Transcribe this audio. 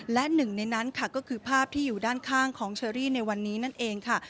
และหนึ่งในนั้นค่ะก็คือภาพที่อยู่ด้านข้างของเชอรี่ในวันนี้นั่นเองค่ะ